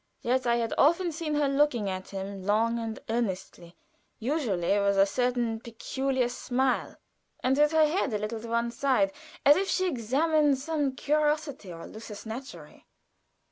Yet I had often seen her look at him long and earnestly, usually with a certain peculiar smile, and with her head a little to one side as if she examined some curiosity or lusus naturæ.